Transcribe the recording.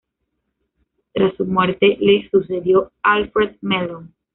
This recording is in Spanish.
Tras su muerte, le sucedió Alfred Mellon.